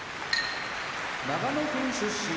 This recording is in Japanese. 長野県出身